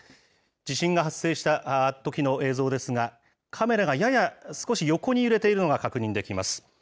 地震が発生したときの映像ですが、カメラがやや少し横に揺れているのが確認できます。